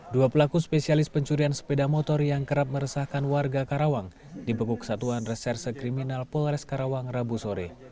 dua pelaku spesialis pencurian sepeda motor yang kerap meresahkan warga karawang dibekuk satuan reserse kriminal polres karawang rabu sore